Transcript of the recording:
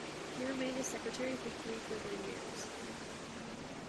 He remained as secretary for three further years.